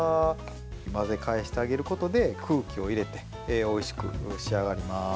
混ぜ返してあげることで空気を入れておいしく仕上がります。